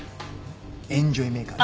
エンジョイメーカーズ。